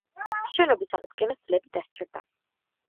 შენობის აღდგენას წლები დასჭირდა.